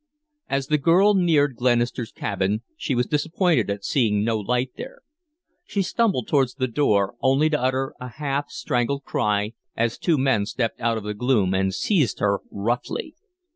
As the girl neared Glenister's cabin she was disappointed at seeing no light there. She stumbled towards the door, only to utter a half strangled cry as two men stepped out of the gloom and seized her roughly.